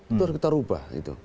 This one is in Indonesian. itu harus kita rubah itu